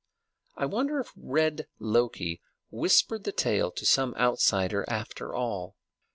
I wonder if red Loki whispered the tale to some outsider, after all?